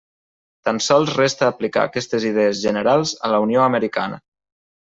Tan sols resta aplicar aquestes idees generals a la Unió americana.